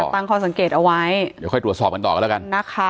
เดี๋ยวค่อยตรวจสอบกันต่อแล้วกัน